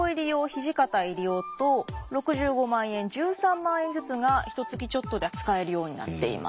土方入用と６５万円１３万円ずつがひとつきちょっとで使えるようになっています。